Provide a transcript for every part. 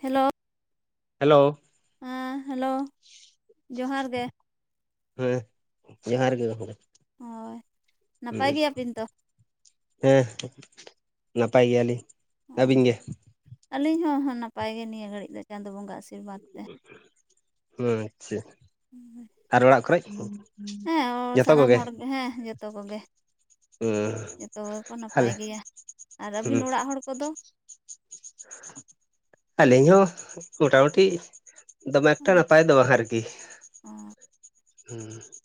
Hello hello ᱦᱮᱸ hello ᱡᱚᱦᱟᱨ ᱜᱮ᱾ ᱦᱮᱸ ᱡᱚᱦᱟᱨ ᱜᱮ ᱜᱚᱝᱠᱮ᱾ ᱦᱳᱭ ᱱᱟᱯᱟᱭ ᱜᱮᱭᱟ ᱵᱤᱱ ᱛᱚ? ᱦᱮᱸ ᱱᱟᱯᱟᱭ ᱜᱮᱭᱟ ᱞᱤᱧ᱾ ᱟᱹᱵᱤᱱ ᱜᱮ? ᱟᱹᱞᱤᱧ ᱦᱚᱸ ᱱᱟᱯᱟᱭ ᱜᱮ ᱱᱤᱭᱟᱹ ᱜᱷᱟᱹᱲᱤᱡ ᱫᱚ ᱪᱟᱸᱫᱳ ᱵᱚᱸᱜᱟ ᱟᱜ ᱟᱹᱥ ᱦᱮᱸ ᱟᱪᱪᱷᱟ, ᱟᱨ ᱚᱲᱟᱜ ᱠᱚᱨᱮᱡ? ᱦᱮᱸ ᱥᱟᱱᱟᱢ ᱦᱚᱲ ᱦᱮᱸ ᱡᱚᱛᱚ ᱠᱚᱜᱮ᱾ ᱦᱩᱸ ᱡᱚᱛᱚ ᱜᱮᱠᱚ ᱱᱟᱯᱟᱭ ᱟᱞᱮ ᱜᱮᱭᱟ᱾ ᱟᱨ ᱦᱩᱸ ᱟᱹᱵᱤᱱ ᱚᱲᱟᱜ ᱦᱚᱲ ᱠᱚ ᱫᱚ? ᱟᱹᱞᱤᱧ ᱦᱚᱸ ᱢᱳᱴᱟ ᱢᱩᱴᱤ, ᱫᱚᱢᱮ ᱮᱠᱴᱟ ᱱᱟᱯᱟᱭ ᱫᱚ ᱵᱟᱝ ᱟᱨᱠᱤ ᱦᱳᱭ ᱦᱚᱸ ᱾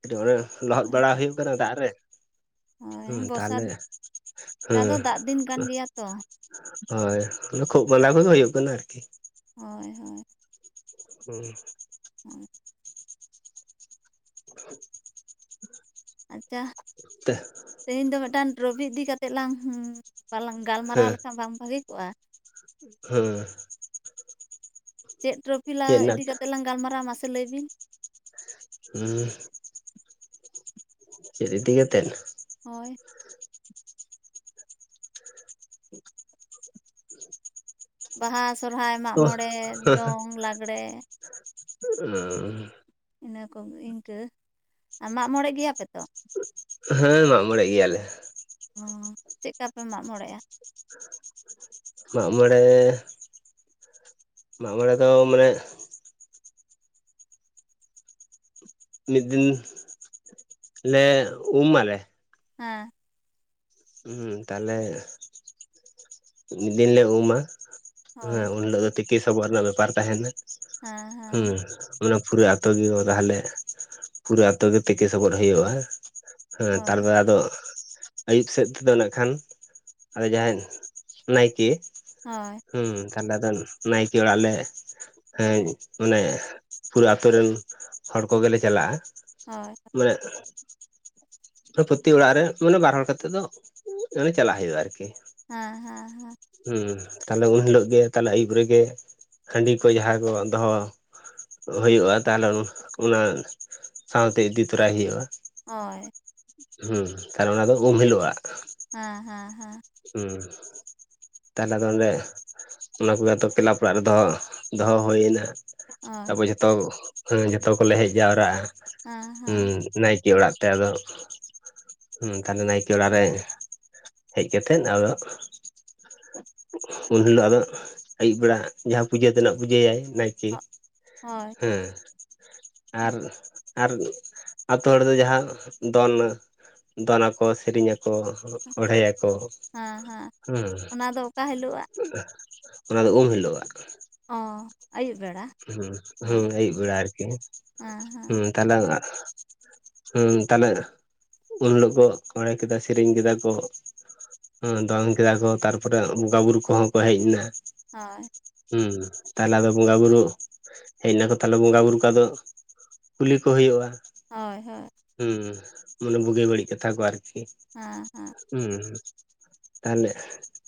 ᱠᱟᱹᱴᱤᱡ ᱚᱱᱮ ᱞᱚᱦᱚᱫ ᱵᱟᱲᱟ ᱦᱩᱭᱩᱜ ᱠᱟᱱᱟ ᱫᱟᱜ ᱨᱮ ᱾ ᱦᱳᱭ ᱵᱚᱨᱥᱟ ᱫᱤ ᱱᱮᱛᱟᱨ ᱫᱚ ᱫᱟᱜ ᱫᱤᱱ ᱠᱟᱱ ᱜᱮᱭᱟ ᱛᱚ ᱾ ᱦᱳᱭ ᱚᱱᱟ ᱠᱷᱩᱜ ᱢᱟᱸᱫᱟ ᱠᱚᱜᱮ ᱦᱩᱭᱩᱜ ᱠᱟᱱᱟ ᱟᱨ ᱠᱤ ᱾ ᱦᱳᱭ ᱦᱳᱭ ᱾ ᱦᱩᱸ ᱾ ᱦᱳᱭ ᱾ [inaudible] ᱟᱪᱪᱟ [unintelligible] ᱛᱮ, ᱛᱮᱦᱤᱧ ᱫᱚ ᱢᱤᱫᱴᱟᱹᱝ ᱴᱚᱨᱚᱯᱷᱤ ᱤᱫᱤ ᱠᱟᱛᱮᱜ ᱞᱟᱝ ᱵᱟᱞᱟᱝ ᱜᱟᱞᱢᱟᱨᱟᱣ ᱞᱮᱠᱷᱟᱱ ᱵᱟᱝ ᱵᱷᱟᱹᱜᱤ ᱠᱚᱜᱼᱟ ᱾ ᱦᱩᱸᱻ ᱪᱮᱫ ᱴᱨᱚᱯᱷᱤ ᱞᱟᱝ ᱪᱮᱫ ᱱᱟᱜ ᱤᱫᱤ ᱠᱟᱛᱮᱫ ᱞᱟᱝ ᱜᱟᱞᱢᱟᱨᱟᱣᱟ ᱢᱟᱥᱮ ᱞᱟᱹᱭ ᱵᱤᱱ ᱾ ᱦᱮᱸ, ᱪᱮᱫ ᱤᱫᱤ ᱠᱟᱛᱮᱫ? ᱦᱳᱭ ᱾ ᱵᱟᱦᱟ ᱥᱚᱨᱦᱟᱭ ᱢᱟᱜᱽ ᱢᱚᱬᱮ ᱫᱚᱝ ᱞᱟᱜᱽᱲᱮ ᱾ [inaudible] ᱩᱸᱻ ᱤᱱᱟᱹ ᱠᱚᱜᱮ ᱤᱱᱠᱟᱹ ᱟᱨ ᱢᱟᱜᱽᱢᱚᱬᱮ ᱜᱮᱭᱟᱯᱮ ᱛᱚ? ᱦᱮᱸ ᱢᱟᱜᱽᱢᱚᱬᱮ ᱜᱮᱭᱟᱞᱮ ᱾ ᱚᱸ ᱪᱮᱫ ᱠᱟ ᱯᱮ ᱢᱟᱜᱽᱢᱚᱲᱮᱜᱼᱟ? [inaudible] ᱢᱟᱜᱽᱢᱚᱬᱮ ᱢᱟᱜᱽᱢᱚᱬᱮ ᱫᱚ ᱢᱟᱱᱮ ᱢᱤᱫ ᱫᱤᱱ ᱞᱮ ᱩᱢ ᱟᱞᱮ ᱾ ᱦᱮᱸ ᱾ ᱦᱩᱸ ᱛᱟᱦᱚᱞᱮ ᱢᱤᱫ ᱫᱤᱱ ᱞᱮ ᱩᱢᱟ ᱦᱳᱭ ᱦᱮᱸ ᱩᱱ ᱦᱤᱞᱚᱜ ᱫᱚ ᱛᱤᱠᱤ ᱥᱚᱵᱚᱜ ᱨᱮᱱᱟᱜ ᱵᱮᱯᱟᱨ ᱛᱟᱦᱮᱱᱟ ᱾ ᱦᱮᱸ ᱾ ᱚᱱᱟ ᱯᱩᱨᱟᱹ ᱟᱹᱛᱳ ᱜᱮ ᱚᱨᱟ ᱞᱮ ᱯᱩᱨᱟᱹ ᱟᱹᱛᱳ ᱜᱮ ᱛᱮᱠᱮ ᱥᱚᱵᱚᱫ ᱦᱩᱭᱩᱜᱼᱟ ᱾ ᱦᱮᱸ ᱦᱳᱭ ᱛᱟᱨᱯᱚᱨᱮ ᱟᱫᱚ ᱟᱹᱭᱩᱵ ᱥᱮᱫ ᱛᱮᱫᱚ ᱱᱟᱜ ᱠᱷᱟᱱ ᱟᱫᱚ ᱡᱟᱦᱟᱸᱭ ᱱᱟᱭᱠᱮ ᱦᱳᱭ ᱦᱩᱸ ᱛᱟᱦᱚᱞᱮ ᱟᱫᱚ ᱱᱟᱭᱠᱮ ᱚᱲᱟᱜ ᱞᱮ ᱦᱮᱸ ᱢᱟᱱᱮ ᱯᱩᱨᱟᱹ ᱟᱹᱛᱳ ᱨᱮᱱ ᱦᱚᱲ ᱠᱚ ᱜᱮᱞᱮ ᱪᱟᱞᱟᱜᱼᱟ ᱦᱳᱭ ᱾ ᱢᱟᱱᱮ ᱯᱩᱨᱟᱹ ᱯᱨᱚᱛᱤ ᱚᱲᱟᱜ ᱨᱮ ᱢᱟᱱᱮ ᱵᱟᱨ ᱦᱚᱲ ᱠᱟᱛᱮᱫ ᱫᱚ ᱢᱟᱱᱮ ᱪᱟᱞᱟᱜ ᱦᱩᱭᱩᱜᱼᱟ ᱟᱨ ᱠᱤ ᱾ ᱦᱮᱸ ᱦᱮᱸ ᱦᱮᱸ ᱾ ᱦᱮᱸ ᱛᱟᱦᱚᱞᱮ ᱩᱱ ᱦᱤᱞᱚᱜ ᱜᱮ ᱛᱟᱦᱚᱞᱮ ᱟᱹᱭᱩᱵ ᱨᱮᱜᱮ ᱦᱟᱺᱰᱤ ᱠᱚ ᱡᱟᱦᱟᱸᱭ ᱠᱚ ᱫᱚᱦᱚ ᱦᱩᱭᱩᱜᱼᱟ ᱛᱟᱦᱚᱞᱮ ᱚᱱᱟ ᱥᱟᱶᱛᱮ ᱤᱫᱤ ᱛᱚᱨᱟᱭ ᱮ ᱦᱩᱭᱩᱜᱼᱟ ᱾ ᱦᱳᱭ ᱾ ᱦᱩᱸ ᱛᱟᱦᱚᱞᱮ ᱚᱱᱟ ᱫᱚ ᱩᱢ ᱦᱤᱞᱚᱜ-ᱟᱜ ᱾ ᱦᱮᱸ ᱦᱮᱸ ᱦᱮᱸ ᱾ ᱦᱩᱸ᱾ ᱛᱟᱦᱞᱮ ᱟᱫᱚ ᱚᱸᱰᱮ ᱚᱱᱟ ᱠᱚᱜᱮ ᱟᱫᱚ ᱠᱮᱞᱟᱵᱽ ᱚᱲᱟᱜ ᱨᱮ ᱫᱚᱦᱚ ᱫᱚᱦᱚ ᱦᱳᱭᱱᱟ᱾ ᱦᱳᱭ ᱛᱟᱯᱚᱨ ᱡᱷᱚᱛᱚ ᱦᱮᱸ ᱡᱷᱚᱛᱚ ᱠᱚᱞᱮ ᱦᱮᱡ ᱡᱟᱣᱨᱟᱜ-ᱟ ᱦᱮᱸ ᱦᱩᱸ᱾ ᱦᱮᱸ ᱱᱟᱭᱠᱮ ᱚᱲᱟᱜ ᱛᱮ ᱟᱫᱚ ᱛᱟᱞᱦᱮ ᱱᱟᱭᱠᱮ ᱚᱲᱟᱜ ᱨᱮ ᱦᱮᱡ ᱠᱟᱛᱮᱫ ᱟᱫᱚ ᱩᱱ ᱦᱤᱞᱳᱜ ᱟᱫᱚ ᱟᱹᱭᱩᱵ ᱵᱮᱲᱟ ᱡᱟᱦᱟ ᱯᱩᱡᱟᱹ ᱛᱮᱱᱟᱜ ᱯᱩᱡᱟᱹᱭᱟ ᱱᱟᱭ ᱠᱮ ᱦᱳᱭ ᱦᱮᱸ ᱟᱨ ᱟᱨ ᱟᱛᱳ ᱦᱚᱲᱫᱚ ᱡᱟᱦᱟ ᱫᱚᱱ ᱫᱚᱱᱟ ᱟᱠᱚ ᱥᱮᱨᱮᱧ ᱟᱠᱚ ᱚᱸᱬᱦᱮᱭᱟ ᱠᱚ᱾ ᱦᱮᱸ ᱦᱮᱸ ᱚᱱᱟ ᱫᱚ ᱚᱠᱟ ᱦᱤᱞᱳᱜ-ᱟᱜ? ᱚᱱᱟ ᱫᱚ ᱩᱢ ᱦᱤᱞᱳᱜ-ᱟᱜ᱾ ᱚ ᱟᱹᱭᱩᱵ ᱵᱮᱲᱟ ᱦᱩᱸ, ᱦᱮᱸ ᱦᱩᱸ ᱟᱹᱭᱩᱵ ᱵᱟᱲᱮ ᱟᱨ ᱠᱤ ᱦᱮᱸ ᱦᱮᱸ ᱦᱩᱸ ᱛᱟᱞᱦᱮ ᱦᱮᱸ ᱛᱟᱞᱦᱮ ᱩᱱ ᱦᱤᱞᱳᱜ ᱠᱚ ᱚᱸᱬᱦᱮ ᱠᱮᱫᱟ ᱠᱚ ᱥᱮᱨᱮᱧ ᱠᱮᱫᱟ ᱠᱚ᱾ ᱦᱩᱸ ᱫᱚᱱ ᱠᱮᱫᱟ ᱠᱚ ᱛᱟᱨᱯᱚᱨᱮ ᱵᱚᱸᱜᱟ ᱵᱩᱨᱩ ᱠᱚᱦᱚᱸ ᱠᱚ ᱦᱮᱡ ᱱᱟ᱾ ᱦᱳᱭ᱾ ᱦᱩᱸ ᱛᱟᱞᱦᱮ ᱟᱫᱚ ᱵᱚᱸᱜᱟ ᱵᱩᱨᱩ ᱦᱮᱡ ᱱᱟᱠᱚ ᱛᱟᱞᱦᱮ ᱵᱚᱸᱜᱟ ᱵᱩᱨᱩ ᱠᱚ ᱟᱫᱚ ᱠᱩᱞᱤ ᱠᱚ ᱦᱳᱭᱳᱜ-ᱟ᱾ ᱦᱳᱭ, ᱦᱳᱭ᱾ ᱦᱩᱸ ᱢᱟᱱᱮ ᱵᱩᱜᱮ ᱵᱟᱹᱲᱤᱡ ᱠᱟᱛᱷᱟ ᱠᱚ ᱟᱨᱠᱤ᱾ ᱦᱮᱸ, ᱦᱮᱸ᱾ ᱦᱩᱸ ᱛᱟᱞᱦᱮ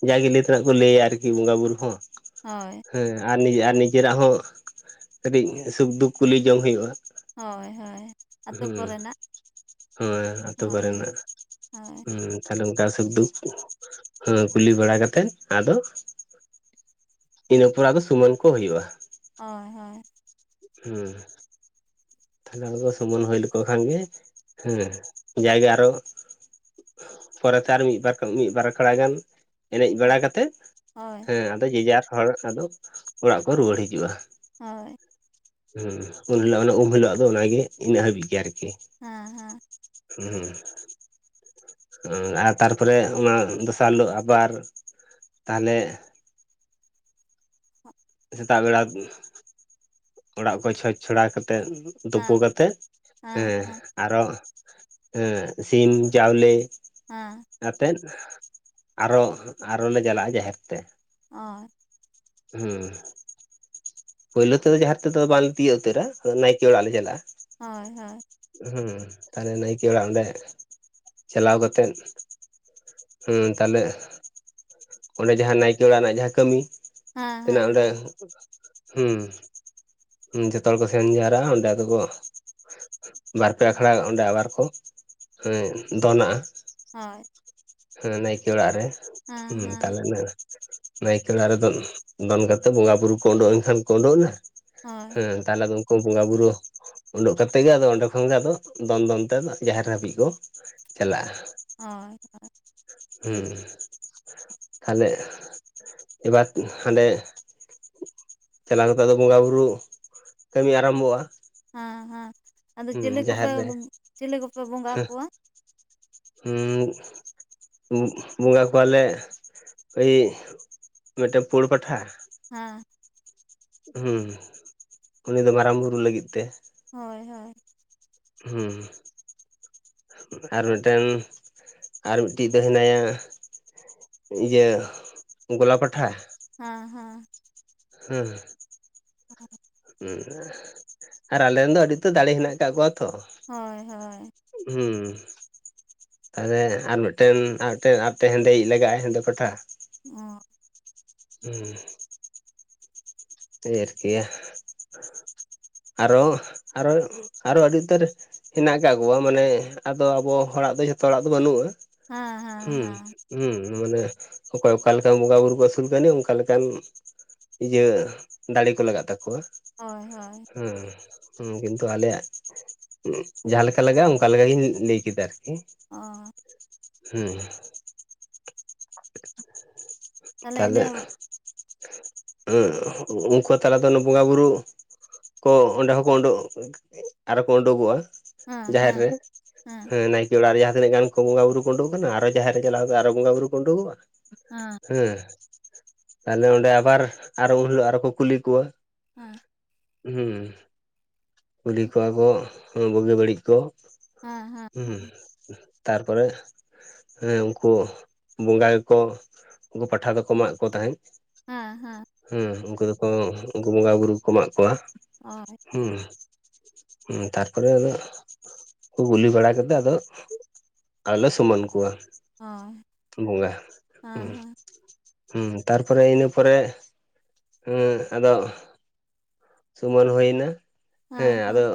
ᱡᱟᱜᱮ ᱞᱟᱹᱭ ᱛᱮᱱᱟᱜ ᱠᱚ ᱞᱟᱹᱭ-ᱟ ᱟᱨᱠᱤ ᱵᱚᱸᱜᱟ ᱵᱩᱨᱩ ᱦᱚᱸ᱾ ᱦᱳᱭ᱾ ᱦᱮᱸ ᱟᱨ ᱱᱤᱡᱮ ᱟᱨ ᱱᱤᱡᱮᱨᱟᱜ ᱦᱚᱸ ᱠᱟᱹᱴᱤᱡ ᱥᱩᱠ ᱫᱩᱠ ᱠᱩᱞᱤ ᱡᱚᱝ ᱦᱳᱭᱳᱜ-ᱟ᱾ ᱦᱳᱭ, ᱦᱳᱭ᱾ ᱟᱛᱳ ᱦᱩᱸ ᱠᱚᱨᱮᱱᱟᱜ ᱦᱳᱭ ᱟᱛᱳ ᱦᱳᱭ ᱠᱚᱨᱮᱱᱟᱜ ᱦᱳᱭ ᱦᱩᱸ᱾ ᱛᱟᱞᱦᱮ ᱚᱱᱠᱟ ᱥᱩᱠ ᱫᱩᱠ ᱦᱚᱸ ᱠᱩᱞᱤ ᱵᱟᱲᱟ ᱠᱟᱛᱮᱫ ᱟᱫᱚ ᱤᱱᱟᱹ ᱯᱚᱨ ᱟᱫᱚ ᱥᱩᱢᱟᱱ ᱠᱚ ᱦᱳᱭᱳᱜ-ᱟ᱾ ᱦᱳᱭ, ᱦᱳᱭ᱾ ᱦᱩᱸ᱾ ᱛᱟᱞᱦᱮ ᱟᱫᱚ ᱥᱩᱢᱟᱹᱱ ᱦᱩᱭ ᱞᱮᱠᱚ ᱠᱷᱟᱱ ᱜᱮ ᱦᱮᱸ ᱡᱟᱭᱜᱮ ᱟᱨᱚ ᱯᱚᱨᱮ ᱛᱮ ᱟᱨ ᱢᱤᱫ ᱵᱟᱨ, ᱢᱤᱫ ᱵᱟᱨ ᱟᱠᱷᱲᱟ ᱜᱟᱱ ᱮᱱᱮᱡ ᱵᱟᱲᱟ ᱠᱟᱛᱮᱫ ᱦᱳᱭ ᱦᱮᱸ ᱟᱫᱚ ᱡᱮᱡᱟᱨ ᱦᱚᱲ ᱟᱫᱚ ᱚᱲᱟᱜ ᱠᱚ ᱨᱩᱭᱟᱹᱲ ᱦᱤᱡᱩᱜ-ᱟ᱾ ᱦᱳᱭ᱾ ᱦᱩᱸ ᱩᱱ ᱦᱤᱞᱳᱜ-ᱟ ᱫᱚ, ᱩᱢ ᱦᱤᱞᱳᱜ-ᱟ ᱫᱚ ᱚᱱᱟ ᱜᱮ ᱤᱱᱟᱹᱜ ᱦᱟᱹᱵᱤᱡ ᱜᱮ ᱟᱨᱠᱤ᱾ ᱦᱮᱸ ᱦᱮᱸ ᱦᱩᱸ, ᱦᱩᱸ᱾ ᱟᱨ ᱛᱟᱨᱯᱚᱨᱮ ᱚᱱᱟ ᱫᱚᱥᱟᱨ ᱦᱤᱞᱳᱜ ᱟᱵᱟᱨ ᱛᱟᱞᱦᱮ [unintelligible] ᱥᱮᱛᱟᱜ ᱵᱮᱲᱟ ᱚᱲᱟᱜ ᱠᱚ ᱪᱷᱚᱸᱪ ᱪᱷᱚᱲᱟ ᱠᱟᱛᱮᱫ ᱛᱳᱯᱳ ᱦᱮᱸ ᱠᱟᱛᱮᱜ ᱦᱮᱸ ᱟᱨᱚ ᱦᱮᱸ ᱥᱤᱢ ᱪᱟᱣᱞᱮ ᱦᱮᱸ᱾ ᱟᱛᱮᱫ ᱟᱨᱚ, ᱟᱨᱚ ᱞᱮ ᱪᱟᱞᱟᱜ-ᱟ ᱡᱟᱦᱮᱨ ᱛᱮ᱾ ᱟᱨ ᱦᱩᱸ ᱯᱳᱭᱞᱳ ᱛᱮᱫᱚ ᱡᱟᱦᱮᱨ ᱛᱮᱫᱚ ᱵᱟᱝᱞᱮ ᱛᱤᱭᱳᱜ ᱩᱛᱟᱹᱨᱟ ᱱᱟᱭᱠᱮ ᱚᱲᱟᱜ ᱞᱮ ᱪᱟᱞᱟᱜᱼᱟ᱾ ᱦᱚᱭ ᱦᱚᱭ ᱦᱮᱸ ᱛᱟᱦᱞᱮ ᱱᱟᱭᱠᱮ ᱚᱲᱟᱜ ᱚᱸᱰᱮ ᱪᱟᱞᱟᱣ ᱠᱟᱛᱮᱫ ᱦᱮᱸ ᱛᱟᱦᱚᱞᱮ ᱚᱸᱰᱮ ᱡᱟᱸᱦᱟ ᱱᱟᱭᱠᱮ ᱚᱲᱟᱜ ᱨᱮᱱᱟᱜ ᱡᱟᱸᱦᱟ ᱠᱟᱹᱢᱤ ᱛᱮᱱᱟᱜ ᱦᱮᱸ ᱚᱸᱰᱮ ᱦᱮᱸ ᱦᱩᱸ ᱦᱩᱸ ᱡᱚᱛᱚ ᱦᱚᱲ ᱠᱚ ᱥᱮᱱ ᱡᱟᱣᱨᱟᱼᱟ ᱚᱸᱰᱮ ᱟᱫᱚ ᱠᱚ ᱵᱟᱨᱯᱮ ᱟᱠᱷᱲᱟ ᱚᱸᱰᱮ ᱟᱵᱟᱨ ᱠᱚ ᱮ ᱫᱚᱱᱟᱜᱼᱟ᱾ ᱦᱳᱭ ᱦᱮᱸ ᱱᱟᱭᱠᱮ ᱚᱲᱟᱜ ᱨᱮ ᱦᱮᱸ ᱛᱟᱦᱚᱞᱮᱱᱟᱜ ᱱᱟᱭᱠᱮ ᱚᱲᱟᱜ ᱨᱮ ᱫᱚ ᱫᱚᱱ ᱠᱟᱛᱮ ᱵᱚᱸᱜᱟ ᱵᱩᱨᱩ ᱠᱚ ᱩᱰᱩᱠ ᱮᱱᱠᱷᱟᱱ ᱠᱚ ᱩᱰᱩᱠᱱᱟ ᱦᱳᱭ ᱦᱮᱸ᱾ ᱛᱟᱦᱚᱞᱮ ᱟᱫᱚ ᱩᱱᱠᱩ ᱵᱚᱸᱜᱟ ᱵᱩᱨᱩ ᱩᱰᱩᱠ ᱠᱟᱛᱮᱫ ᱜᱮ ᱟᱫᱚ ᱚᱸᱰᱮ ᱠᱷᱚᱱᱜᱮ ᱟᱫᱚ ᱫᱚᱱ ᱫᱚᱱ ᱛᱮ ᱟᱫᱚ ᱡᱟᱦᱮᱨ ᱦᱟᱹᱵᱤᱡ ᱠᱚ ᱪᱟᱞᱟᱜᱼᱟ᱾ ᱦᱳᱭ ᱦᱳᱭ᱾ ᱦᱩᱸ ᱛᱟᱦᱚᱞᱮ ᱮᱵᱟᱨ ᱦᱟᱸᱰᱮ ᱪᱟᱞᱟᱣ ᱠᱟᱛᱮ ᱟᱫᱚ ᱵᱚᱸᱜᱟ ᱵᱩᱨᱩ ᱠᱟᱹᱢᱤ ᱟᱨᱟᱢᱵᱚᱜᱼᱟ᱾ ᱦᱮᱸ ᱦᱮᱸ ᱟᱫᱚ ᱪᱤᱞᱤ ᱠᱚᱯᱮ ᱡᱟᱦᱮᱨ ᱨᱮ ᱪᱤᱞᱤ ᱠᱚᱯᱮ ᱵᱚᱸᱜᱟ ᱟᱠᱚᱣᱟ? ᱦᱩᱸ ᱵᱚᱸᱜᱟ ᱠᱚᱣᱟᱞᱮ ᱳᱭ ᱢᱤᱫᱴᱮᱱ ᱯᱩᱲ ᱯᱟᱴᱷᱟ᱾ ᱦᱮᱸ ᱦᱮᱸ ᱩᱱᱤ ᱫᱚ ᱢᱟᱨᱟᱝ ᱵᱩᱨᱩ ᱞᱟᱹᱜᱤᱫ ᱛᱮ᱾ ᱦᱳᱭ ᱦᱳᱭ᱾ ᱦᱩᱸ ᱟᱨ ᱢᱤᱫᱴᱮᱱ ᱟᱨ ᱢᱤᱫᱴᱤᱡ ᱫᱚ ᱦᱮᱱᱟᱭᱟ ᱤᱭᱟᱹ ᱜᱳᱞᱟ ᱯᱟᱴᱷᱟ᱾ ᱦᱟᱸ ᱦᱟᱸ᱾ ᱦᱩᱸ [unintelligible] ᱦᱩᱸ ᱟᱨ ᱟᱞᱮᱱ ᱫᱚ ᱟᱹᱰᱤ ᱩᱛᱟᱹᱨ ᱫᱟᱲᱮ ᱦᱮᱱᱟᱜ ᱠᱟᱜ ᱠᱚᱣᱟ ᱛᱚ᱾ ᱦᱳᱭ ᱦᱳᱭ᱾ ᱦᱩᱸ ᱛᱟᱦᱚᱞᱮ ᱟᱨ ᱢᱤᱫᱴᱮᱱ ᱟᱨ ᱢᱤᱫᱴᱮᱱ ᱟᱨᱴᱮᱱ ᱦᱮᱸᱫᱮᱭᱤᱡ ᱞᱟᱜᱟᱜᱼᱟ ᱦᱮᱸᱫᱮ ᱯᱟᱸᱴᱷᱟ᱾ ᱚ ᱦᱩᱸ ᱰᱷᱮᱨ ᱜᱮᱭᱟ ᱟᱨᱚ ᱟᱨᱚ ᱟᱨᱚ ᱟᱹᱰᱤ ᱩᱛᱟᱹᱨ᱾ ᱦᱮᱱᱟᱜ ᱠᱟᱜ ᱠᱚᱣᱟ ᱢᱟᱱᱮ ᱟᱫᱚ ᱟᱵᱚ ᱦᱚᱲᱟᱜ ᱫᱚ ᱡᱷᱚᱛᱚ ᱦᱚᱲᱟᱜ ᱫᱚ ᱵᱟᱹᱱᱩᱜᱼᱟ᱾ ᱦᱟᱸ ᱦᱟᱸ᱾ ᱦᱩᱸ ᱦᱩᱸ, ᱢᱟᱱᱮ ᱚᱠᱚᱭ ᱚᱠᱟᱞᱮᱠᱟᱱ ᱵᱚᱸᱜᱟ ᱵᱩᱨᱩ ᱠᱚ ᱟᱹᱥᱩᱞ ᱠᱟᱱᱤᱡ ᱚᱱᱠᱟ ᱞᱮᱠᱟᱱ ᱤᱭᱟᱹ ᱫᱟᱲᱮ ᱠᱚ ᱞᱟᱜᱟᱜ ᱛᱟᱠᱚᱣᱟ᱾ ᱦᱳᱭ ᱦᱳᱭ᱾ ᱦᱩᱸ ᱦᱩᱸ ᱠᱤᱱᱛᱩ ᱟᱞᱮᱭᱟᱜ ᱡᱟᱸᱦᱟ ᱞᱮᱠᱟ ᱞᱟᱜᱟᱜᱼᱟ ᱚᱱᱠᱟ ᱞᱮᱠᱟᱜᱤᱧ ᱞᱟᱹᱭ ᱠᱮᱫᱟ ᱟᱨᱠᱤ᱾ ᱚ ᱦᱩᱸ ᱛᱟᱦᱚᱞᱮ ᱤᱱᱟᱹ ᱦᱮᱸ ᱦᱮᱸ ᱩᱱᱠᱩ ᱛᱟᱞᱟᱫᱚ ᱚᱱᱮ ᱵᱚᱸᱜᱟ ᱵᱩᱨᱩ ᱠᱚ ᱚᱸᱰᱮ ᱦᱚᱸᱠᱚ ᱩᱰᱩᱠ ᱟᱨᱚ ᱠᱚ ᱩᱰᱩᱠᱚᱜᱼᱟ᱾ ᱦᱮᱸ ᱡᱟᱦᱮᱨ ᱨᱮ ᱦᱮᱸ ᱦᱮᱸ ᱱᱟᱭᱠᱮ ᱚᱲᱟᱜ ᱨᱮ ᱡᱟᱦᱟᱸᱛᱤᱱᱟᱹᱜ ᱜᱟᱱ ᱠᱚ ᱵᱚᱸᱜᱟ ᱵᱩᱨᱩ ᱠᱚ ᱚᱸᱰᱳᱠ ᱠᱟᱱᱟ ᱟᱨᱚ ᱡᱟᱦᱮᱨ ᱨᱮ ᱪᱟᱞᱟᱣ ᱠᱟᱛᱮ ᱟᱨᱚ ᱵᱚᱸᱜᱟ ᱵᱩᱨᱩ ᱠᱚ ᱚᱸᱰᱳᱠᱚᱜᱼᱟ᱾ ᱮᱸ᱾ ᱦᱮᱸ ᱛᱟᱦᱚᱞᱮ ᱚᱸᱰᱮ ᱟᱵᱟᱨ ᱟᱨᱚ ᱩᱱ ᱦᱤᱞᱳ ᱟᱨᱚ ᱠᱚ ᱠᱩᱞᱤ ᱠᱚᱣᱟ ᱦᱮᱸ᱾ ᱦᱩᱸ᱾ ᱠᱩᱞᱤ ᱠᱚᱣᱟ ᱵᱚ ᱵᱩᱜᱤ ᱦᱚᱸ ᱵᱚᱜᱮ ᱵᱟᱹᱲᱤᱡ ᱠᱚ᱾ ᱦᱮᱸ ᱦᱮᱸ ᱛᱟᱨᱯᱚᱨᱮ ᱦᱮᱸ ᱩᱝᱠᱩ ᱵᱚᱸᱜᱟ ᱜᱮᱠᱚ ᱩᱱᱠᱩ ᱯᱟᱴᱷᱟ ᱫᱚᱠᱚ ᱢᱟᱜ ᱠᱚ ᱛᱟᱦᱮᱸᱫ, ᱦᱮᱸ ᱦᱮᱸ᱾ ᱦᱮᱸ ᱩᱝᱠᱩ ᱫᱚᱠᱚ ᱩᱱᱠᱩ ᱵᱚᱸᱜᱟ ᱵᱩᱨᱩ ᱠᱚ ᱢᱟᱜ ᱠᱚᱣᱟ, ᱚᱭ᱾ ᱦᱮᱸ᱾ ᱦᱮᱸ ᱛᱟᱨᱯᱚᱨᱮ ᱱᱟᱸᱜ ᱠᱩᱞᱤ ᱵᱟᱲᱟ ᱠᱟᱛᱮᱜ ᱟᱫᱚ ᱟᱨ ᱞᱮ ᱥᱩᱢᱟᱹᱱ ᱠᱚᱣᱟ ᱦᱳᱭ ᱵᱚᱸᱜᱟ ᱦᱮᱸ ᱦᱩᱸ᱾ ᱦᱩᱸ ᱛᱟᱨᱯᱚᱨᱮ ᱤᱱᱟᱹ ᱯᱚᱨᱮ ᱮᱸᱜ ᱟᱫᱚ ᱥᱩᱢᱟᱹᱱ ᱦᱩᱭᱱᱟ ᱦᱮᱸ ᱟᱫᱚ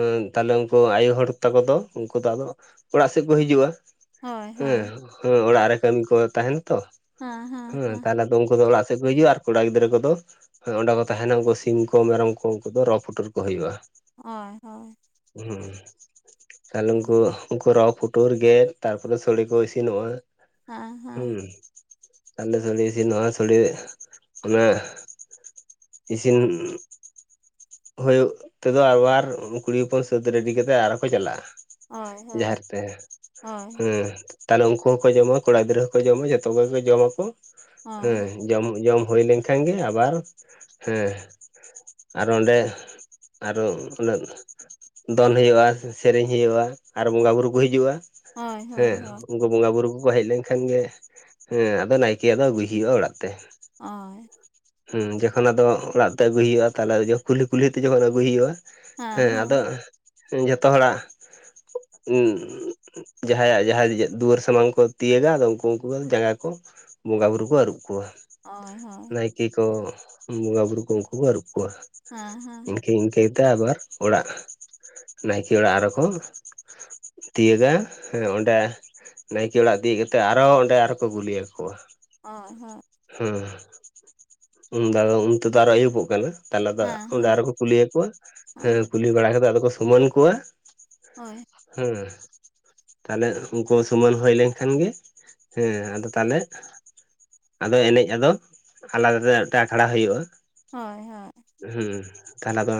ᱮᱸ ᱛᱟᱦᱞᱮ ᱩᱱᱠᱩ ᱟᱭᱳ ᱦᱚᱲ ᱛᱟᱠᱚ ᱫᱚ ᱩᱱᱠᱩ ᱫᱚ ᱟᱫᱚ ᱚᱲᱟᱜ ᱥᱮᱫ ᱠᱚ ᱦᱤᱡᱩᱜᱼᱟ᱾ ᱦᱳᱭ ᱦᱮᱸ ᱦᱳᱭ ᱦᱮᱸ ᱚᱲᱟᱜ ᱨᱮ ᱠᱟᱹᱢᱤ ᱠᱚ ᱛᱟᱦᱮᱸᱱᱟ ᱛᱚ ᱦᱮᱸ ᱛᱟᱦᱞᱮ ᱩᱱᱠᱩ ᱫᱚ ᱚᱲᱟᱜ ᱥᱮᱫ ᱠᱚ ᱦᱤᱡᱩᱜᱼᱟ ᱟᱨ ᱠᱚᱲᱟ ᱜᱤᱫᱽᱨᱟᱹ ᱠᱚᱫᱚ ᱦᱮᱸ ᱚᱸᱰᱮ ᱠᱚ ᱛᱟᱦᱮᱸᱱᱟ ᱩᱱᱠᱩ ᱥᱤᱢ ᱠᱚ ᱢᱮᱨᱚᱢ ᱠᱚ ᱩᱱᱠᱩ ᱫᱚ ᱨᱚ ᱯᱩᱴᱩᱨ ᱠᱚ ᱦᱩᱭᱩᱜᱼᱟ᱾ ᱦᱳᱭ ᱦᱳᱭ᱾ ᱦᱩᱸ ᱛᱟᱦᱞᱮ ᱩᱱᱠᱩ ᱦᱳᱭ ᱩᱱᱠᱩ ᱨᱚ ᱯᱩ ᱴᱩᱨ ᱜᱮ ᱛᱟᱨᱯᱚᱨᱮ ᱥᱚᱲᱮ ᱠᱚ ᱤᱥᱤᱱᱚᱜᱼᱟ ᱦᱮᱸ᱾ ᱛᱟᱞᱮ ᱥᱳᱲᱮ ᱤᱥᱱᱚᱜ-ᱟ ᱥᱳᱲᱮ ᱚᱱᱟ ᱪᱤᱱ ᱦᱳᱭᱳᱜ ᱛᱮᱫᱚ ᱟᱵᱟᱨ ᱠᱩᱲᱤ ᱦᱚᱯᱚᱱ ᱥᱟᱹᱛ ᱨᱮᱰᱤ ᱠᱟᱛᱮᱜ ᱟᱨᱚ ᱠᱚ ᱪᱟᱞᱟᱜᱼᱟ᱾ ᱦᱳᱭ ᱦᱳᱭ ᱡᱟᱦᱮᱟᱨ ᱛᱮ ᱦᱳᱭ ᱦᱮᱸ᱾ ᱛᱟᱦᱞᱮ ᱩᱝᱠᱩ ᱦᱚᱸᱠᱚ ᱡᱚᱢᱟ ᱠᱚᱲᱟ ᱜᱤᱫᱽᱨᱟᱹ ᱦᱚᱸᱠᱚ ᱡᱚᱢᱟ ᱡᱷᱚᱛᱚ ᱠᱚᱜᱮ ᱠᱚ ᱡᱚᱢᱟᱠᱚ ᱦᱮᱸ᱾ ᱦᱳᱭ ᱡᱚᱢ ᱡᱚᱢ ᱦᱩᱭ ᱞᱮᱱ ᱠᱷᱟᱱ ᱜᱮ ᱟᱵᱟᱨ ᱦᱮᱸ ᱟᱨᱚ ᱚᱸᱰᱮ ᱟᱨᱚ ᱩᱱᱟᱹᱜ ᱫᱚᱱ ᱦᱳᱭᱳᱜᱼᱟ ᱥᱮᱨᱮᱧ ᱦᱩᱭᱩᱜᱼᱟ ᱟᱨ ᱵᱚᱸᱜᱟ ᱵᱩᱨᱩ ᱠᱚ ᱦᱤᱡᱩᱜᱼᱟ ᱦᱳᱭ ᱦᱳᱭ ᱦᱳᱭ ᱩᱸᱜ ᱩᱝᱠᱩ ᱵᱚᱸᱜᱟ ᱵᱩᱨᱩ ᱠᱚᱠᱚ ᱦᱮᱡ ᱞᱮᱱ ᱠᱷᱟᱱ ᱜᱮ ᱦᱮᱸ ᱟᱫᱚ ᱱᱟᱭᱠᱮ ᱟᱫᱚ ᱟᱹᱜᱩᱭᱮ ᱦᱩᱭᱩᱜᱼᱟ ᱚᱲᱟᱜ ᱛᱮ᱾ ᱦᱳᱭ᱾ ᱦᱮᱸ ᱡᱚᱠᱷᱚᱱ ᱟᱫᱚ ᱚᱲᱟᱜ ᱛᱮ ᱟᱹᱜᱩᱭ ᱦᱩᱭᱩᱜᱼᱟ ᱛᱟᱦᱞᱮ ᱠᱩᱞᱦᱤ ᱠᱩᱞᱦᱤ ᱛᱮ ᱡᱚᱠᱷᱚᱡ ᱟᱹᱜᱩᱭ ᱦᱩᱭᱩᱜᱼᱟ ᱦᱮᱸ ᱟᱫᱚ ᱡᱷᱚᱛᱚ ᱦᱚᱲᱟᱜ ᱡᱟᱦᱟᱸᱭᱟᱜ ᱡᱟᱦᱟᱸᱭ ᱫᱩᱣᱟᱹᱨ ᱥᱟᱢᱟᱝ ᱠᱚ ᱛᱤᱭᱟᱹᱜᱟ ᱟᱫᱚ ᱩᱱᱠᱩ ᱩᱱᱠᱩ ᱡᱟᱸᱜᱟ ᱠᱚ ᱵᱚᱸᱜᱟ ᱵᱩᱨᱩ ᱠᱚ ᱟᱹᱨᱩᱵ ᱠᱚᱣᱟ᱾ ᱦᱳᱭ ᱦᱳᱭ᱾ ᱠᱮ ᱠᱚ ᱵᱚᱸᱜᱟᱵᱩᱨᱩ ᱠᱚ ᱩᱝᱠᱩ ᱠᱚ ᱟᱨᱩᱵ ᱠᱚᱣᱟ᱾ ᱦᱮᱸ ᱦᱮᱸ ᱤᱝᱠᱟᱹ ᱤᱝᱠᱟᱹ ᱛᱮ ᱟᱵᱟᱨ ᱚᱲᱟᱜ ᱱᱟᱭᱠᱮ ᱚᱲᱟᱜ ᱟᱨᱚᱠᱚ ᱛᱤᱭᱟᱹᱜᱟ ᱦᱮᱸ ᱚᱸᱰᱮ ᱱᱟᱭᱠᱮ ᱚᱲᱟᱜ ᱛᱤᱭᱟᱹᱜ ᱠᱟᱛᱮ ᱟᱨᱦᱚᱸ ᱚᱸᱰᱮ ᱟᱨᱚ ᱠᱚ ᱟᱜᱩᱞᱤᱭᱟᱠᱚᱣᱟ᱾ ᱦᱳᱭ ᱦᱳᱭ᱾ ᱦᱮᱸ ᱩᱱ ᱫᱚ ᱩᱱ ᱛᱮᱫᱚ ᱟᱨᱚ ᱟᱹᱭᱩᱵᱚᱜ ᱠᱟᱱᱟ ᱛᱟᱞᱦᱮ ᱫᱚ ᱦᱮᱸ ᱦᱮᱸ ᱚᱸᱰᱮ ᱦᱮᱸ ᱟᱨᱚ ᱠᱚ ᱠᱩᱞᱤᱭ ᱟᱠᱚᱣᱟ ᱦᱮᱸ ᱠᱩᱞᱤ ᱵᱟᱲᱟ ᱠᱟᱛᱮ ᱟᱫᱚ ᱠᱚ ᱥᱩᱢᱟᱹᱱ ᱠᱚᱣᱟ᱾ ᱦᱳᱭ᱾ ᱦᱮᱸ ᱾ ᱛᱟᱦᱚᱞᱮ ᱩᱱᱠᱩ ᱥᱩᱢᱟᱹᱱ ᱦᱳᱭ ᱞᱮᱱ ᱠᱷᱟᱱ ᱜᱮ ᱦᱮᱸ ᱟᱫᱚ ᱛᱟᱦᱚᱞᱮ ᱟᱫᱚ ᱮᱱᱮᱡ ᱟᱫᱚ ᱟᱞᱟᱫᱟ ᱨᱮ ᱢᱤᱫᱴᱟᱝ ᱟᱠᱷᱲᱟ ᱦᱩᱭᱩᱜᱼᱟ᱾ ᱦᱳᱭ ᱦᱳᱭ ᱾ ᱦᱩᱸ ᱛᱟᱦᱚᱞᱮ ᱟᱫᱚ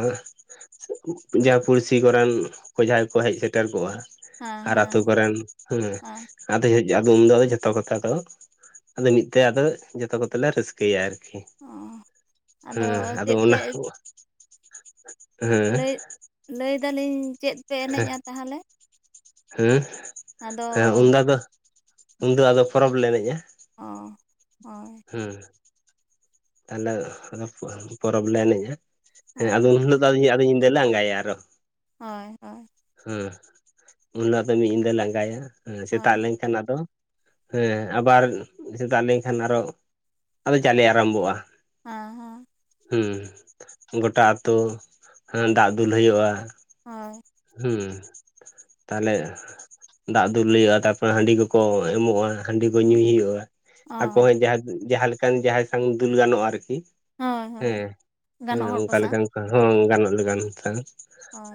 ᱡᱟᱦᱟᱸ ᱯᱩᱲᱥᱤ ᱠᱚᱨᱮᱱ ᱠᱚ ᱡᱟᱦᱟᱸᱭ ᱠᱚ ᱦᱮᱡ ᱥᱮᱴᱮᱨ ᱠᱚᱜᱼᱟ ᱦᱮᱸ ᱟᱨ ᱟᱛᱩ ᱦᱮᱸ ᱠᱚᱨᱮᱱ ᱦᱮᱸ ᱟᱫᱚ ᱟᱫᱚ ᱩᱱ ᱫᱚ ᱡᱷᱚᱛᱚ ᱠᱚᱛᱮ ᱟᱫᱚ ᱢᱤᱫ ᱛᱮ ᱟᱫᱚ ᱡᱚᱛᱚ ᱠᱚᱛᱮ ᱞᱮ ᱨᱟᱹᱥ ᱠᱟᱹᱭᱟ ᱟᱨᱠᱤ ᱚ ᱦᱮᱸ ᱟᱫᱚ ᱪᱮᱫ ᱚᱱᱟ ᱯᱮ ᱦᱮᱸ ᱾ ᱞᱟ. ᱭ ᱫᱟᱞᱤᱧ ᱪᱮᱫ ᱯᱮ ᱮᱱᱮᱡᱟ ᱛᱟᱦᱚᱞᱮ? ᱦᱮᱸ ᱟᱫᱚ ᱦᱮᱸ ᱩᱱᱫᱚ ᱟᱫᱚ ᱩᱱᱫᱚ ᱟᱫᱚ ᱯᱚᱨᱚᱵᱽ ᱞᱮ ᱮᱱᱮᱡᱼᱟ ᱾ ᱚ [inaudible] ᱦᱮ ᱛᱟᱦᱚᱞᱮ ᱟᱫᱚ ᱯᱚᱨᱚᱵᱽ ᱞᱮ ᱮᱱᱮᱡᱼᱟ᱾ ᱦᱮᱸ ᱟᱫᱚ ᱦᱳᱭ ᱩᱱ ᱦᱤᱞᱳᱜ ᱫᱚ ᱟᱫᱚ ᱧᱤᱫᱟᱹ ᱞ ᱟᱸᱜᱟᱭᱟ ᱟᱨᱚ ᱾ ᱦᱳᱭ ᱦᱳᱭ ᱾ ᱦᱮᱸ ᱩᱱ ᱦᱤᱞᱳᱜ ᱫᱚ ᱢᱤᱫ ᱧᱤᱫᱟᱹ ᱞᱮ ᱟᱸᱜᱟᱭᱟ, ᱥᱮᱛᱟᱜ ᱦᱳᱭ ᱞᱮᱝ ᱮᱱᱠᱷᱟᱱ ᱟᱫᱚ, ᱦᱮᱸ ᱟᱵᱟᱨ ᱥᱮᱛᱟᱜ ᱞᱮᱱᱠᱷᱟᱱ ᱟᱨᱚ ᱟᱫᱚ ᱡᱟᱞᱮ ᱟᱨᱟᱢᱵᱷᱚᱜᱼᱟ ᱾ [inaudible] ᱦᱩ ᱜᱚᱴᱟ ᱟᱛᱳ ᱫᱟᱜ ᱫᱩᱞ ᱦᱩᱭᱩᱜᱼᱟ᱾ ᱦᱳᱭ ᱾ ᱦᱩᱸ, ᱛᱟᱦᱚᱞᱮ ᱫᱟᱜ ᱫᱩᱞ ᱦᱩᱭᱩᱜᱟᱹᱭᱼᱟ ᱛᱟᱯᱚᱨᱮ ᱦᱟᱺᱰᱤ ᱠᱚᱠᱚ ᱮᱢᱚᱜᱼᱟ ᱾ ᱦᱟᱺᱰᱤ ᱠᱚ ᱧᱩᱭ ᱦᱩᱭᱩᱜᱼᱟ, ᱟᱠᱚ ᱚ ᱦᱚᱸ ᱡᱟᱦᱟᱸ ᱞᱮᱠᱟᱱ ᱡᱟᱦᱟᱸᱭ ᱥᱟ ᱫᱩᱞ ᱜᱟᱱᱚᱜᱼᱟ ᱟᱨᱠᱤ ᱦᱳᱭ ᱦᱳᱭ ᱦᱮᱸ ᱦᱮᱸ ᱜᱟᱱᱚᱜ ᱦᱚᱲ ᱚᱱᱠᱟ ᱥᱟᱶ ᱞᱮᱠᱟᱱ ᱠᱚ ᱦᱚᱸ ᱜᱟᱱᱚᱜ ᱞᱮᱠᱟᱱ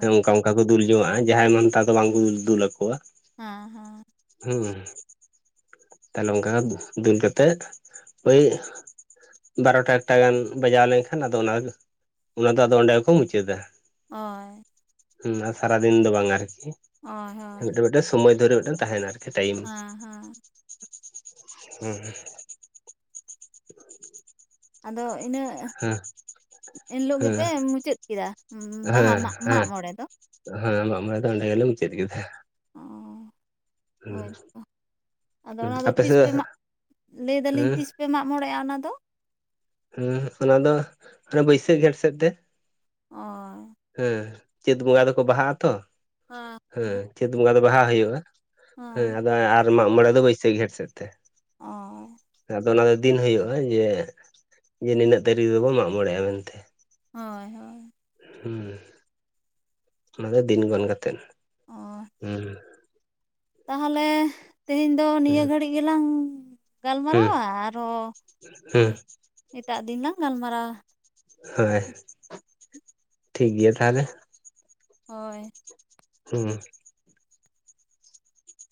ᱦᱮᱸ ᱚᱱᱠᱟ ᱚᱱᱠᱟ ᱚᱱᱠᱟ ᱠᱚ ᱫᱩᱞ ᱡᱚᱝ ᱼᱟ, ᱡᱟᱦᱟᱸᱭ ᱢᱟᱱᱛᱟᱦᱟ ᱫᱚ ᱵᱟᱝᱠᱚ ᱫ ᱫᱩᱞ ᱟᱠᱚᱣᱟ ᱾ ᱦᱸ ᱦᱮᱸ ᱾ ᱦᱩᱸ ᱛᱟᱦᱚᱞᱮ ᱚᱱᱠᱟ ᱫᱩᱞ ᱠᱟᱛᱮᱫ ᱳᱭ ᱵᱟᱨᱚᱴᱟ ᱮᱠᱴᱟ ᱜᱟᱱ ᱵᱟᱡᱟᱣ ᱞᱮᱱᱠᱷᱟᱱ ᱟᱫᱚ ᱚᱱᱟ ᱚᱱᱟ ᱫᱚ ᱟᱫᱚ ᱚᱸᱰᱮ ᱜᱮᱠᱚ ᱢᱩᱪᱟᱹᱫᱟ᱾ ᱦᱳᱭ ᱾ ᱦᱮᱸ ᱟᱨ ᱥᱟᱨᱟᱫᱤᱱ ᱫᱚ ᱵᱟᱝ ᱟᱨᱠᱤ, ᱦᱳᱭ ᱦᱳᱭ ᱢᱤᱫᱴᱮᱱ ᱢᱤᱫᱴᱮᱱ ᱥᱢᱚᱭ ᱫᱷᱚᱨᱮ ᱛᱟᱦᱮᱱ ᱟᱨᱠᱤ᱾ ᱴᱟᱭᱤᱢ ᱦᱮᱸ ᱦᱮᱸ ᱦᱮᱸ ᱦᱸ ᱾ [unintelligible] ᱟᱫᱚ ᱤᱱᱟᱹ, ᱦᱮᱸ ᱮᱱᱦᱤᱞᱳᱜ ᱜᱮᱯᱮ ᱦᱮᱸ ᱢᱩᱪᱟᱹᱫ ᱠᱮᱫᱟ ᱵᱟᱦᱟ ᱢᱟᱜ ᱢᱟᱜ ᱢᱚᱬᱮ ᱫᱚ? ᱦᱮ ᱢᱟᱜᱢᱚᱲᱮ ᱫᱚ ᱚᱰᱮ ᱜᱮᱞᱮ ᱢᱩᱪᱟᱹᱫ ᱠᱮᱫᱟ᱾ ᱚᱻ ᱦᱮᱸ ᱦᱳᱭᱛᱚ ᱟᱫᱚ ᱦᱮᱸ ᱚᱱᱟᱫᱚ ᱟᱯᱮ ᱛᱤᱥ ᱯᱮ ᱥᱮᱫ ᱢᱟ ᱞᱟᱹᱭ ᱫᱟᱞᱤᱧ ᱦᱮᱸ ᱛᱤᱥ ᱯᱮ ᱢᱟᱜ ᱢᱚᱬᱮᱜᱼᱟ ᱚᱱᱟᱫᱚ? ᱦᱮᱸ ᱚᱱᱟ ᱫᱚ ᱦᱟᱱᱮ ᱵᱟᱹᱭᱥᱟᱹᱠᱷ ᱡᱮᱸᱴ ᱥᱮᱫ ᱛᱮ ᱾ ᱚ ᱾ ᱦᱮᱸ ᱪᱟ. ᱛ ᱵᱚᱸᱜᱟ ᱫᱚᱠᱚ ᱵᱟᱦᱟᱜᱼᱟ ᱛᱚ ᱾ [unintelligible] ᱦᱮᱸ ᱪᱟᱹᱛ ᱵᱚᱸᱜᱟ ᱫᱚ ᱵᱟᱦᱟ ᱦᱩᱭᱩᱜᱼᱟ, ᱦᱮᱸ ᱟᱫᱚ ᱟᱨ ᱢᱟᱜ ᱢᱚᱬᱮ ᱫᱚ ᱵᱟᱹᱭᱥᱟᱹᱠᱷ ᱡᱷᱮᱸᱴ ᱥᱮᱫ ᱛᱮ᱾ ᱚᱸᱻ᱾ ᱟᱫᱚ ᱚᱱᱟ ᱫᱚ ᱫᱤᱱ ᱦᱩᱭᱩᱜᱼᱟ ᱡᱮ, ᱡᱮ ᱱᱤᱱᱟᱹᱜ ᱛᱟᱹᱨᱤᱠᱷ ᱫᱚᱵᱚᱱ ᱢᱟᱜ ᱢᱚᱬᱮᱜᱼᱟ ᱢᱮᱱᱛᱮ᱾ ᱦᱳᱭ ᱦᱳᱭ᱾ ᱦᱩᱸᱻ᱾ ᱚᱱᱟ ᱫᱚ ᱫᱤᱱ ᱜᱚᱱ ᱠᱟᱛᱮᱫ᱾ ᱚᱸ᱾ ᱦᱮᱸ ᱛᱟᱦᱚᱞᱮ ᱛᱮᱦᱤᱧ ᱫᱚ ᱱᱤᱭᱟᱹ ᱦᱮᱸ ᱜᱷᱟᱹᱲᱤᱡ ᱜᱮᱞᱟᱝ ᱜᱟᱞᱢᱟᱨᱟᱣᱟ ᱟᱨᱚ, ᱦᱮᱸ ᱮᱴᱟᱜ ᱫᱤᱱ ᱞᱟᱝ ᱜᱟᱞᱢᱟᱨᱟᱣᱟ᱾ ᱦᱳᱭ, ᱴᱷᱤᱠ ᱜᱮᱭᱟ ᱛᱟᱦᱚᱞᱮ᱾ ᱦᱳᱭ᱾ ᱦᱩᱸ᱾